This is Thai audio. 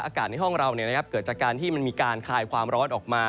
อากาศในห้องเราเกิดจากการที่มันมีการคลายความร้อนออกมา